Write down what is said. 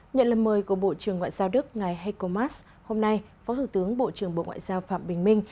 nhận lời mời của bộ trưởng ngoại giao đức ngài heiko mas hôm nay phó thủ tướng bộ trưởng bộ ngoại giao phạm bình minh